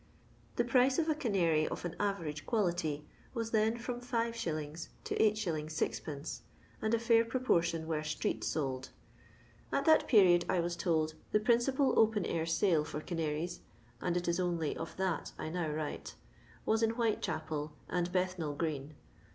The price of a canary of an average quality was then from 6#. to 8i. 6</., and a fair proportion were street sold. At that period, I was told, the principal open air sale for canaries (and it is only of that I now write) was in Whitechapel and Bethnal green.